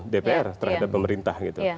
dpr terhadap pemerintah gitu